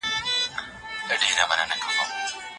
ایا د اصفهان فاتح ناول سینمايي فلم کېدی شي؟